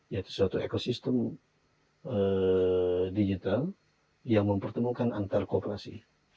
yaitu suatu ekosistem digital yang mempertemukan antar kooperasi